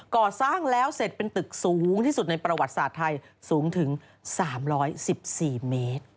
ก่อสร้างแล้วเสร็จเป็นตึกสูงที่สุดในประวัติศาสตร์ไทยสูงถึง๓๑๔เมตร